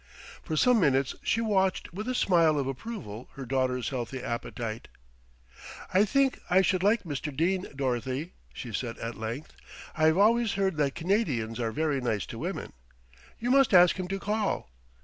For some minutes she watched with a smile of approval her daughter's healthy appetite. "I think I should like Mr. Dene, Dorothy," she said at length. "I have always heard that Canadians are very nice to women. You must ask him to call."